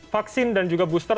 vaksin dan juga booster